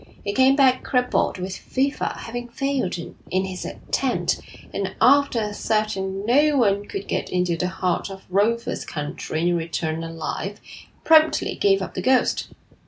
He came back crippled with fever, having failed in his attempt, and, after asserting that no one could get into the heart of Rofa's country and return alive, promptly gave up the ghost.